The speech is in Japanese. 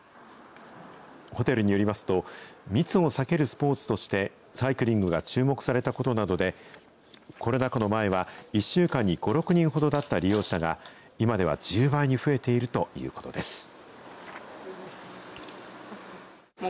ホテルによりますと、密を避けるスポーツとして、サイクリングが注目されたことなどで、コロナ禍の前は１週間に５、６人ほどだった利用者が、今では１０倍に増えているということです。